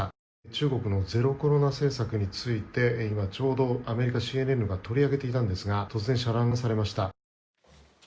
中国のゼロコロナ政策について今ちょうど、アメリカＣＮＮが取り上げていたんですが突然、遮断されました。